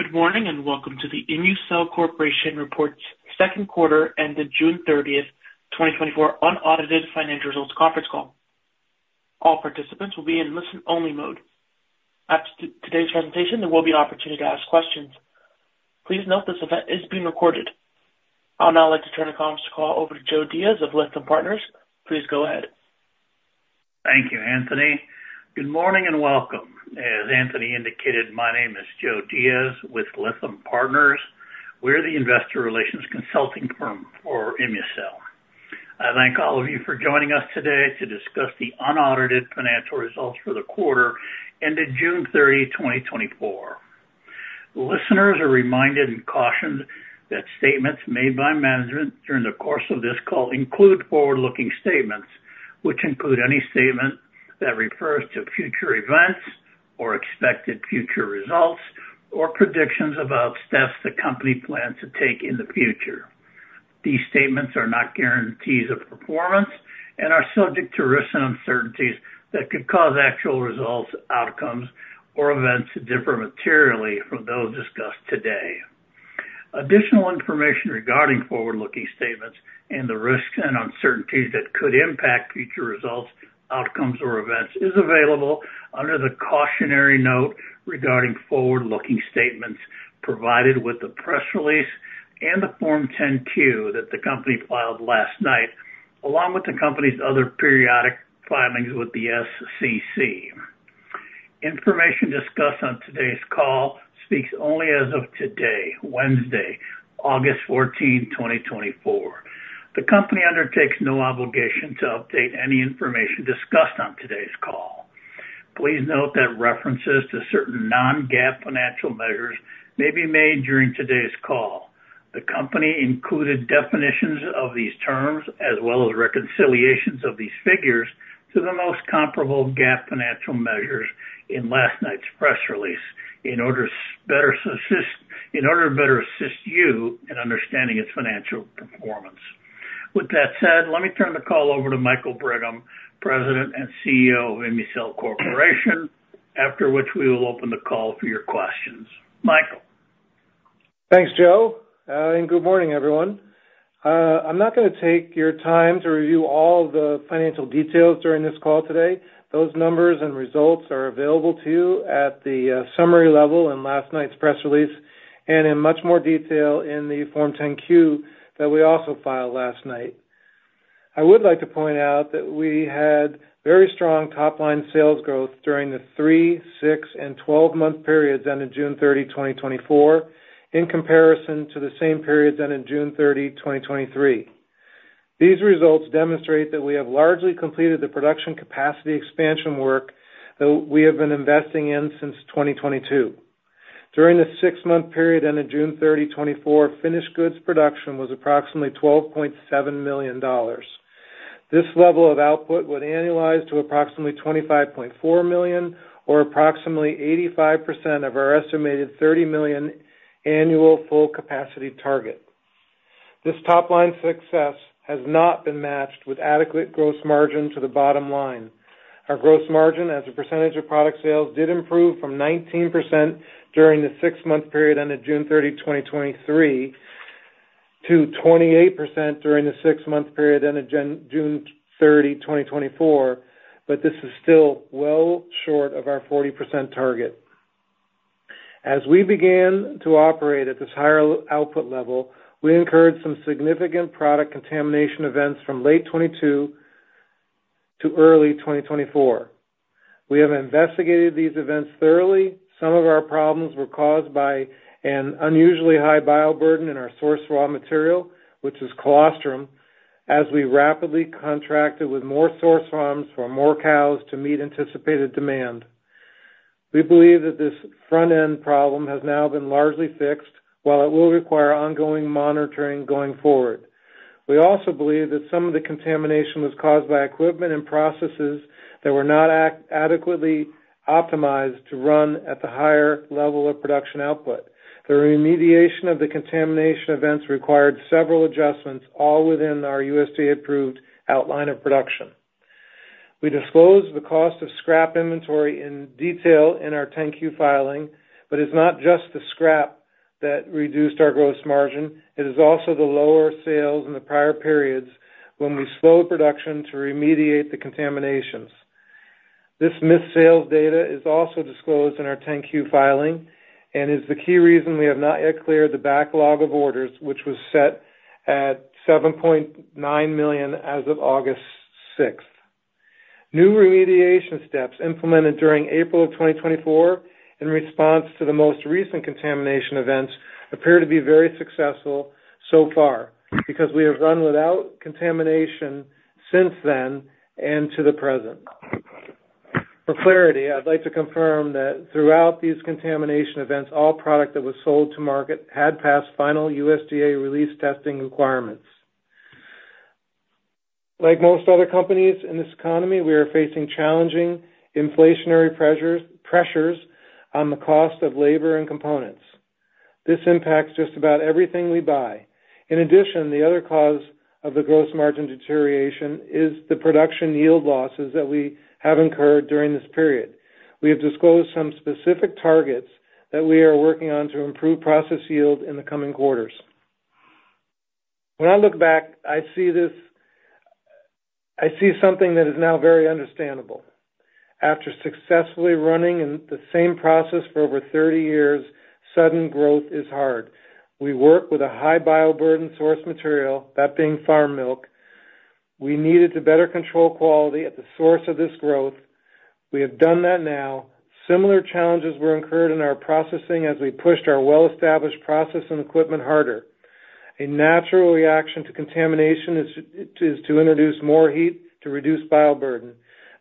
Good morning, and welcome to the ImmuCell Corporation's second quarter ended June 30th, 2024, unaudited financial results conference call. All participants will be in listen-only mode. After today's presentation, there will be an opportunity to ask questions. Please note this event is being recorded. I'd now like to turn the conference call over to Joe Diaz of Lytham Partners. Please go ahead. Thank you, Anthony. Good morning, and welcome. As Anthony indicated, my name is Joe Diaz with Lytham Partners. We're the investor relations consulting firm for ImmuCell. I thank all of you for joining us today to discuss the unaudited financial results for the quarter ended June 30, 2024. Listeners are reminded and cautioned that statements made by management during the course of this call include forward-looking statements, which include any statement that refers to future events or expected future results, or predictions about steps the company plans to take in the future. These statements are not guarantees of performance and are subject to risks and uncertainties that could cause actual results, outcomes, or events to differ materially from those discussed today. Additional information regarding forward-looking statements and the risks and uncertainties that could impact future results, outcomes, or events is available under the cautionary note regarding forward-looking statements provided with the press release and the Form 10-Q that the company filed last night, along with the company's other periodic filings with the SEC. Information discussed on today's call speaks only as of today, Wednesday, August fourteenth, 2024. The company undertakes no obligation to update any information discussed on today's call. Please note that references to certain non-GAAP financial measures may be made during today's call. The company included definitions of these terms, as well as reconciliations of these figures, to the most comparable GAAP financial measures in last night's press release, in order to better assist you in understanding its financial performance. With that said, let me turn the call over to Michael Brigham, President and CEO of ImmuCell Corporation, after which we will open the call for your questions. Michael? Thanks, Joe, and good morning, everyone. I'm not gonna take your time to review all the financial details during this call today. Those numbers and results are available to you at the summary level in last night's press release, and in much more detail in the Form 10-Q that we also filed last night. I would like to point out that we had very strong top-line sales growth during the 3-, 6-, and 12-month periods ended June 30, 2024, in comparison to the same periods ended June 30, 2023. These results demonstrate that we have largely completed the production capacity expansion work that we have been investing in since 2022. During the 6-month period ended June 30, 2024, finished goods production was approximately $12.7 million. This level of output would annualize to approximately $25.4 million or approximately 85% of our estimated $30 million annual full capacity target. This top-line success has not been matched with adequate gross margin to the bottom line. Our gross margin, as a percentage of product sales, did improve from 19% during the six-month period ended June 30, 2023, to 28% during the six-month period ended June 30, 2024, but this is still well short of our 40% target. As we began to operate at this higher output level, we incurred some significant product contamination events from late 2022 to early 2024. We have investigated these events thoroughly. Some of our problems were caused by an unusually high bioburden in our source raw material, which is colostrum, as we rapidly contracted with more source farms for more cows to meet anticipated demand. We believe that this front-end problem has now been largely fixed, while it will require ongoing monitoring going forward. We also believe that some of the contamination was caused by equipment and processes that were not adequately optimized to run at the higher level of production output. The remediation of the contamination events required several adjustments, all within our USDA-approved outline of production. We disclosed the cost of scrap inventory in detail in our 10-Q filing, but it's not just the scrap that reduced our gross margin, it is also the lower sales in the prior periods when we slowed production to remediate the contaminations. This missed sales data is also disclosed in our 10-Q filing and is the key reason we have not yet cleared the backlog of orders, which was set at $7.9 million as of August 6. New remediation steps implemented during April 2024, in response to the most recent contamination events, appear to be very successful so far because we have run without contamination since then and to the present. For clarity, I'd like to confirm that throughout these contamination events, all product that was sold to market had passed final USDA release testing requirements. Like most other companies in this economy, we are facing challenging inflationary pressures, pressures on the cost of labor and components. This impacts just about everything we buy. In addition, the other cause of the gross margin deterioration is the production yield losses that we have incurred during this period. We have disclosed some specific targets that we are working on to improve process yield in the coming quarters. When I look back, I see this. I see something that is now very understandable. After successfully running in the same process for over 30 years, sudden growth is hard. We work with a high bioburden source material, that being farm milk. We needed to better control quality at the source of this growth. We have done that now. Similar challenges were incurred in our processing as we pushed our well-established process and equipment harder. A natural reaction to contamination is to introduce more heat to reduce bioburden,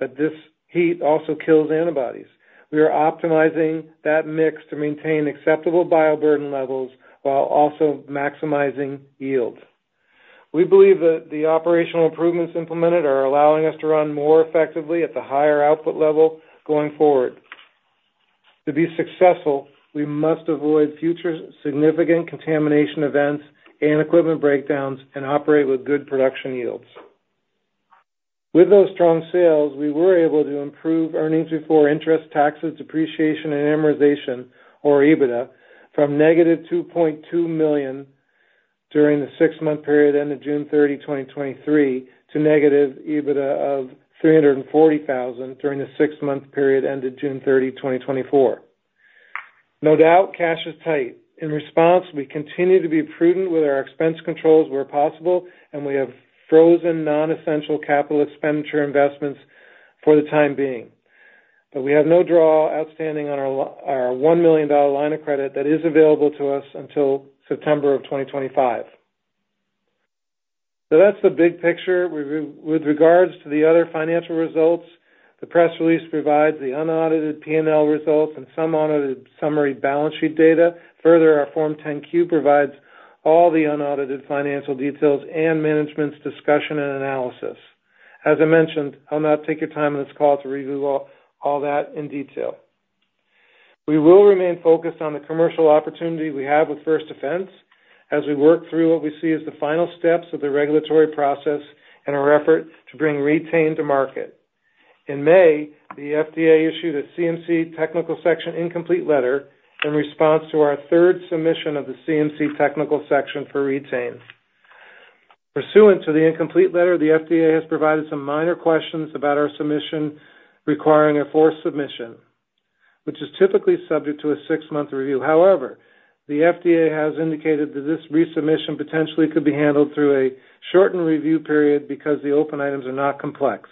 but this heat also kills antibodies. We are optimizing that mix to maintain acceptable bioburden levels while also maximizing yield. We believe that the operational improvements implemented are allowing us to run more effectively at the higher output level going forward. To be successful, we must avoid future significant contamination events and equipment breakdowns and operate with good production yields. With those strong sales, we were able to improve earnings before interest, taxes, depreciation, and amortization, or EBITDA, from -$2.2 million during the six-month period ended June 30, 2023, to negative EBITDA of $340,000 during the six-month period ended June 30, 2024. No doubt, cash is tight. In response, we continue to be prudent with our expense controls where possible, and we have frozen non-essential capital expenditure investments for the time being. But we have no draw outstanding on our $1 million line of credit that is available to us until September 2025. So that's the big picture. With regards to the other financial results, the press release provides the unaudited P&L results and some audited summary balance sheet data. Further, our Form 10-Q provides all the unaudited financial details and management's discussion and analysis. As I mentioned, I'll not take your time on this call to review all that in detail. We will remain focused on the commercial opportunity we have with First Defense as we work through what we see as the final steps of the regulatory process and our effort to bring Re-Tain to market. In May, the FDA issued a CMC Technical Section incomplete letter in response to our third submission of the CMC Technical Section for Re-Tain. Pursuant to the incomplete letter, the FDA has provided some minor questions about our submission requiring a fourth submission, which is typically subject to a six-month review. However, the FDA has indicated that this resubmission potentially could be handled through a shortened review period because the open items are not complex.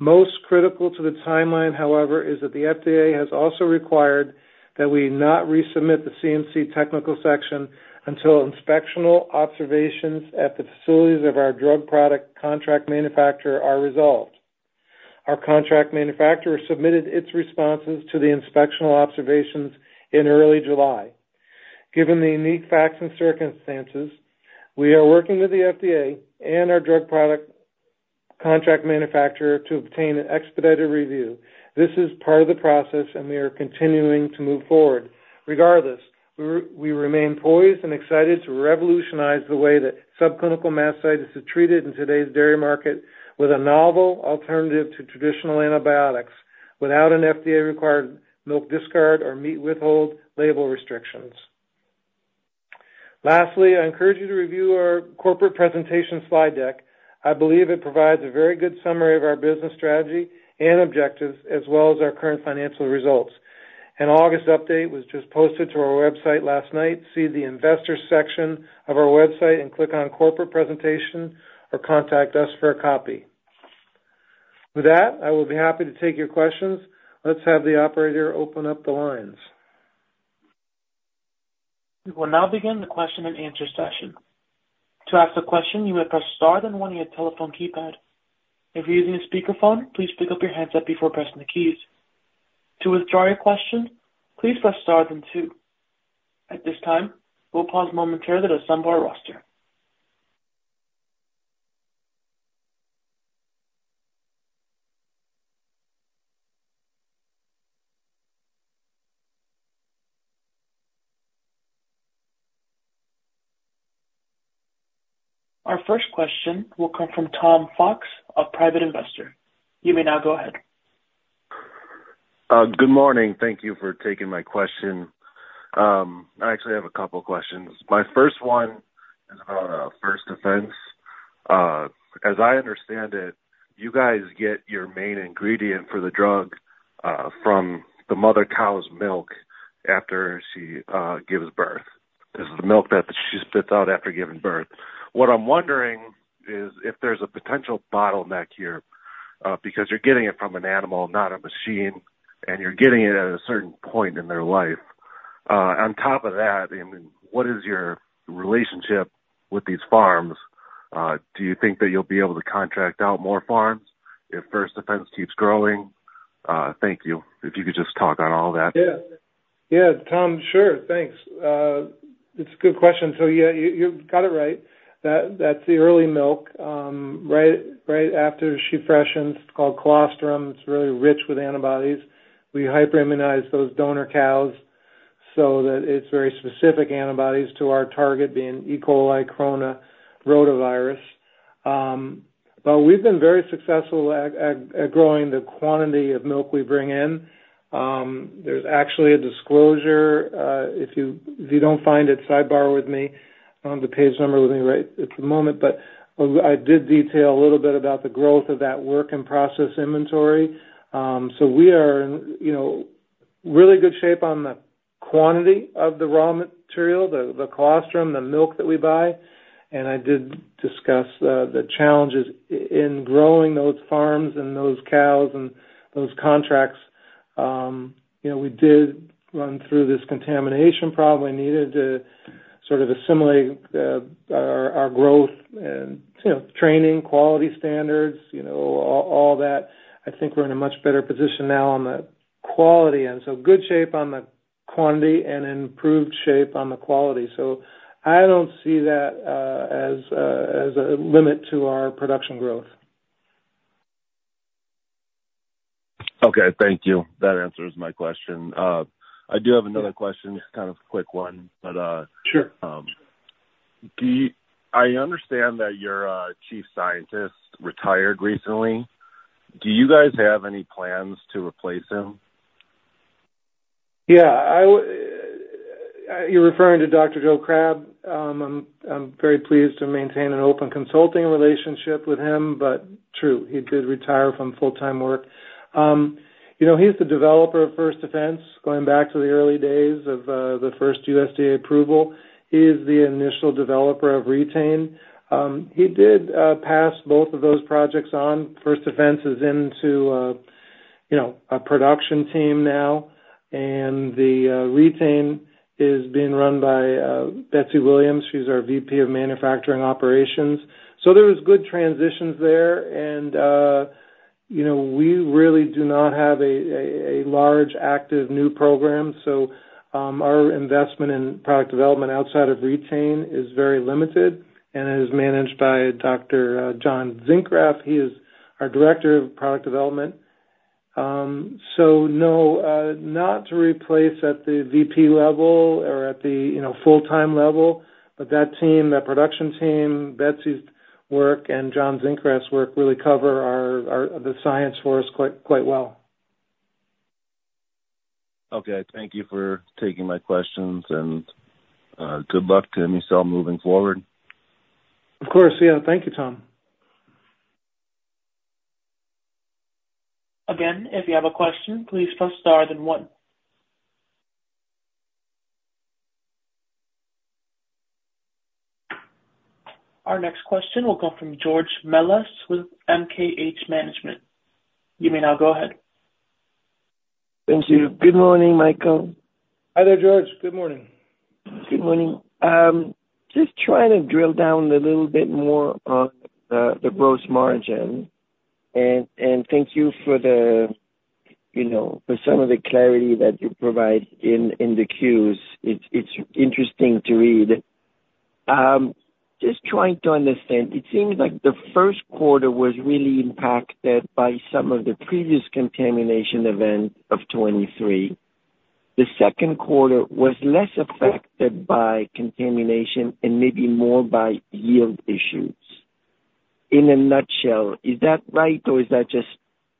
Most critical to the timeline, however, is that the FDA has also required that we not resubmit the CMC Technical Section until inspectional observations at the facilities of our drug product contract manufacturer are resolved. Our contract manufacturer submitted its responses to the inspectional observations in early July. Given the unique facts and circumstances, we are working with the FDA and our drug product contract manufacturer to obtain an expedited review. This is part of the process, and we are continuing to move forward. Regardless, we remain poised and excited to revolutionize the way that subclinical mastitis is treated in today's dairy market with a novel alternative to traditional antibiotics, without an FDA-required milk discard or meat withhold label restrictions. Lastly, I encourage you to review our corporate presentation slide deck. I believe it provides a very good summary of our business strategy and objectives, as well as our current financial results. An August update was just posted to our website last night. See the investors section of our website and click on Corporate Presentation or contact us for a copy. With that, I will be happy to take your questions. Let's have the operator open up the lines. We will now begin the question and answer session. To ask a question, you may press star then one on your telephone keypad. If you're using a speakerphone, please pick up your handset before pressing the keys. To withdraw your question, please press star then two. At this time, we'll pause momentarily to assemble our roster. Our first question will come from Tom Fox, a private investor. You may now go ahead. Good morning. Thank you for taking my question. I actually have a couple questions. My first one is about First Defense. As I understand it, you guys get your main ingredient for the drug from the mother cow's milk after she gives birth. This is the milk that she spits out after giving birth. What I'm wondering is if there's a potential bottleneck here because you're getting it from an animal, not a machine, and you're getting it at a certain point in their life. On top of that, I mean, what is your relationship with these farms? Do you think that you'll be able to contract out more farms if First Defense keeps growing? Thank you. If you could just talk on all that. Yeah. Yeah, Tom, sure. Thanks. It's a good question. So yeah, you've got it right. That, that's the early milk, right, right after she freshens. It's called colostrum. It's really rich with antibodies. We hyperimmunize those donor cows so that it's very specific antibodies to our target, being E. coli, corona, rotavirus. But we've been very successful at growing the quantity of milk we bring in. There's actually a disclosure, if you don't find it, sidebar with me. I don't have the page number with me right at the moment, but I did detail a little bit about the growth of that work and process inventory. So we are in, you know, really good shape on the quantity of the raw material, the colostrum, the milk that we buy, and I did discuss the challenges in growing those farms and those cows and those contracts. You know, we did run through this contamination problem. We needed to sort of assimilate our growth and, you know, training, quality standards, you know, all that. I think we're in a much better position now on the quality end. So good shape on the quantity and improved shape on the quality. So I don't see that as a limit to our production growth. Okay. Thank you. That answers my question. I do have another question, just kind of a quick one, but, Sure. I understand that your chief scientist retired recently. Do you guys have any plans to replace him? Yeah, you're referring to Dr. Joe Crabb. I'm very pleased to maintain an open consulting relationship with him, but true, he did retire from full-time work. You know, he's the developer of First Defense, going back to the early days of the first USDA approval. He is the initial developer of Re-Tain. He did pass both of those projects on. First Defense is into you know, a production team now, and the Re-Tain is being run by Betsy Williams. She's our VP of manufacturing operations. So there was good transitions there, and you know, we really do not have a large, active new program. So, our investment in product development outside of Re-Tain is very limited and is managed by Dr. John Zinckgraf. He is our Director of Product Development. So no, not to replace at the VP level or at the, you know, full-time level, but that team, that production team, Betsy's work and John Zinckgraf's work really cover our, our, the science for us quite, quite well. Okay. Thank you for taking my questions, and good luck to ImmuCell moving forward. Of course. Yeah. Thank you, Tom. Again, if you have a question, please press star then one. Our next question will come from George Melas-Kyriazi with MKH Management. You may now go ahead. Thank you. Good morning, Michael. Hi there, George. Good morning. Good morning. Just trying to drill down a little bit more on, the gross margin. And thank you for the, you know, for some of the clarity that you provide in the Qs. It's interesting to read. Just trying to understand, it seems like the first quarter was really impacted by some of the previous contamination events of 2023. The second quarter was less affected by contamination and maybe more by yield issues. In a nutshell, is that right, or is that just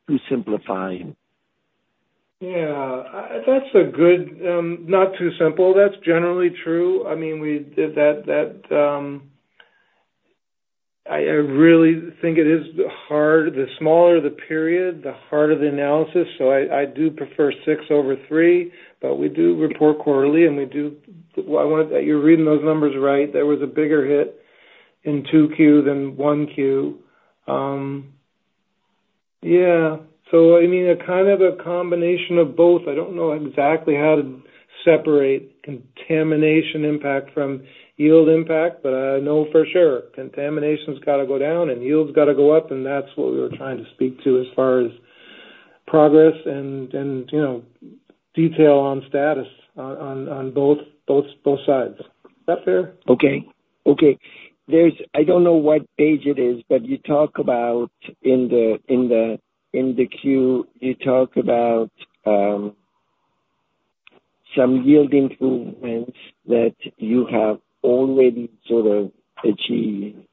too simplifying? Yeah. That's a good, not too simple. That's generally true. I mean, I really think it is hard, the smaller the period, the harder the analysis. So I do prefer 6 over 3, but we do report quarterly, and you're reading those numbers right. There was a bigger hit in 2Q than 1Q. Yeah, so I mean, a kind of a combination of both. I don't know exactly how to separate contamination impact from yield impact, but I know for sure contamination's got to go down and yield's got to go up, and that's what we were trying to speak to as far as progress and, you know, detail on status on both sides. Is that fair? Okay. I don't know what page it is, but you talk about in the Q some yield improvements that you have already sort of achieved.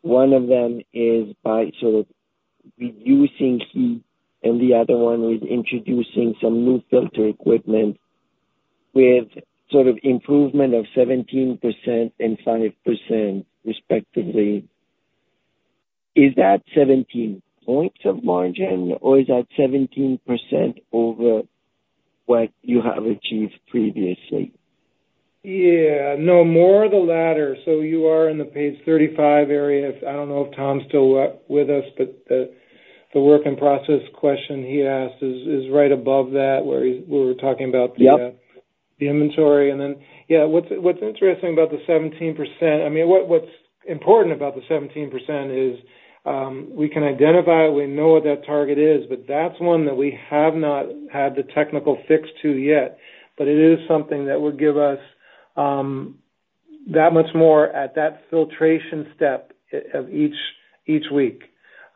One of them is by sort of reducing heat, and the other one is introducing some new filter equipment with sort of improvement of 17% and 5%, respectively. Is that 17 points of margin, or is that 17% over what you have achieved previously? Yeah. No, more of the latter. So you are in the page 35 area. I don't know if Tom's still with us, but the work in process question he asked is right above that, where he-- we were talking about the- Yep. -the inventory. And then, yeah, what's interesting about the 17%, I mean, what's important about the 17% is, we can identify, we know what that target is, but that's one that we have not had the technical fix to yet. But it is something that would give us that much more at that filtration step of each week,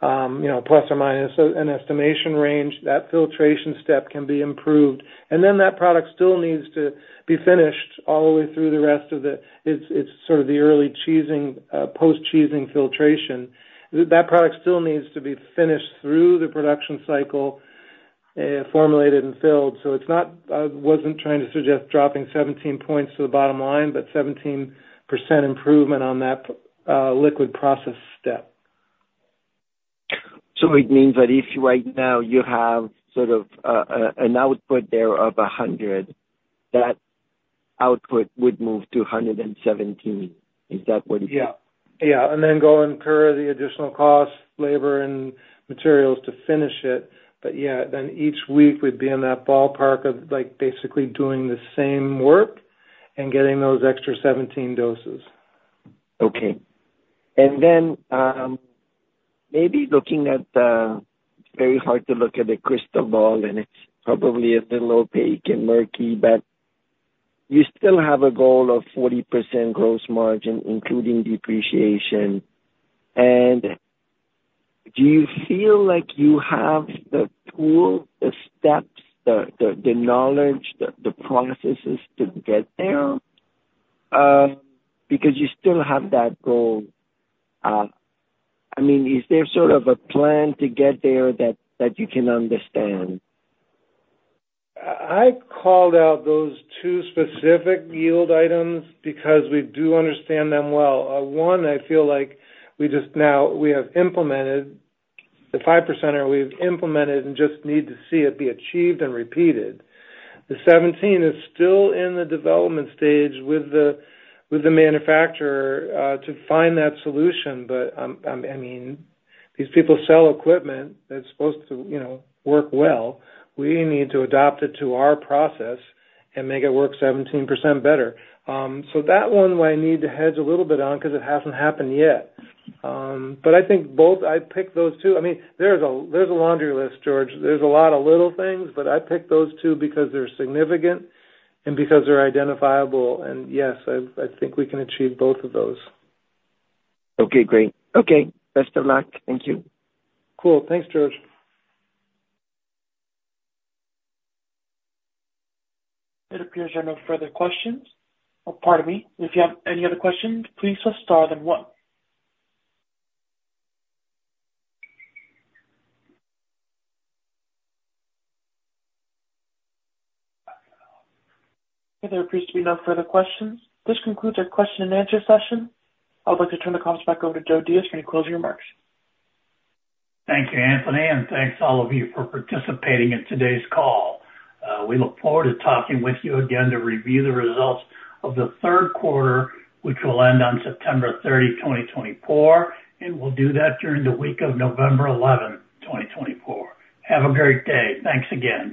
you know, ± an estimation range, that filtration step can be improved. And then that product still needs to be finished all the way through the rest of the- it's sort of the early cheesing, post-cheesing filtration. That product still needs to be finished through the production cycle, formulated and filled. So it's not, wasn't trying to suggest dropping 17 points to the bottom line, but 17% improvement on that, liquid process step. So it means that if right now you have sort of an output there of 100, that output would move to 117. Is that what you- Yeah. Yeah, and then go incur the additional costs, labor, and materials to finish it. But yeah, then each week we'd be in that ballpark of, like, basically doing the same work and getting those extra 17 doses. Okay. And then, maybe looking at the very hard to look at a crystal ball, and it's probably a little opaque and murky, but you still have a goal of 40% gross margin, including depreciation. And do you feel like you have the tools, the steps, the knowledge, the processes to get there? Because you still have that goal. I mean, is there sort of a plan to get there that you can understand? I, I called out those two specific yield items because we do understand them well. One, I feel like we just now have implemented the 5%, or we've implemented and just need to see it be achieved and repeated. The 17% is still in the development stage with the, with the manufacturer, to find that solution. But, I mean, these people sell equipment that's supposed to, you know, work well. We need to adapt it to our process and make it work 17% better. So that one I need to hedge a little bit on because it hasn't happened yet. But I think both I picked those two. I mean, there's a, there's a laundry list, George. There's a lot of little things, but I picked those two because they're significant and because they're identifiable. Yes, I, I think we can achieve both of those. Okay, great. Okay. Best of luck. Thank you. Cool. Thanks, George. It appears there are no further questions. Oh, pardon me. If you have any other questions, please press star then one. If there appears to be no further questions, this concludes our question and answer session. I'd like to turn the conference back over to Joe Diaz for any closing remarks. Thank you, Anthony, and thanks all of you for participating in today's call. We look forward to talking with you again to review the results of the third quarter, which will end on September 30, 2024, and we'll do that during the week of November 11, 2024. Have a great day. Thanks again.